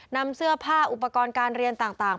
นำเสื้อผ้าอุปกรณ์การเรียนต่าง